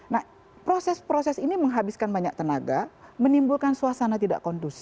nah proses proses ini menghabiskan banyak tenaga menimbulkan suasana tidak kondusif